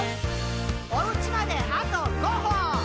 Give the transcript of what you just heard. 「おうちまであと５歩！」